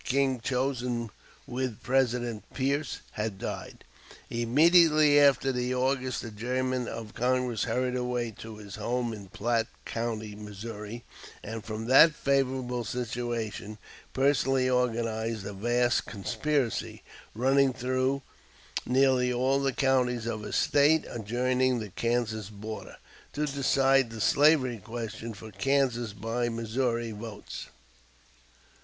King, chosen with President Pierce, had died.] immediately after the August adjournment of Congress hurried away to his home in Platte County, Missouri, and from that favorable situation personally organized a vast conspiracy, running through nearly all the counties of his State adjoining the Kansas border, to decide the slavery question for Kansas by Missouri votes.